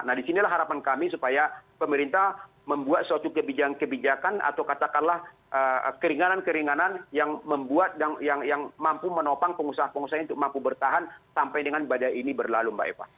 nah disinilah harapan kami supaya pemerintah membuat suatu kebijakan kebijakan atau katakanlah keringanan keringanan yang mampu menopang pengusaha pengusaha ini untuk mampu bertahan sampai dengan badai ini berlalu mbak eva